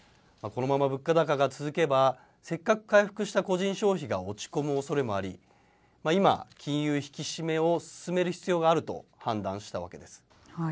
このまま物価高が続けば、せっかく回復した個人消費が落ち込むおそれもあり、今、金融引き締めを進める必要があると判断したわけです。